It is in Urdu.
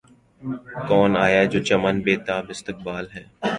کون آیا‘ جو چمن بے تابِ استقبال ہے!